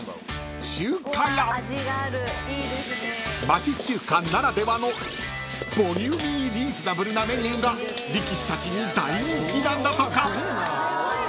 ［町中華ならではのボリューミーリーズナブルなメニューが力士たちに大人気なんだとか］